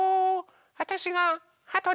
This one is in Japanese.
あたしがはとです。